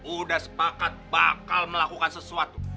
udah sepakat bakal melakukan sesuatu